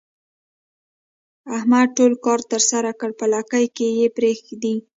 احمد ټول کار ترسره کړي په لکۍ کې یې پرېږدي.